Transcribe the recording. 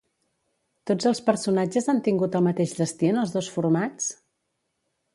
Tots els personatges han tingut el mateix destí en els dos formats?